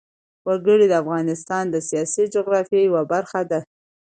وګړي د افغانستان د سیاسي جغرافیه یوه برخه ده.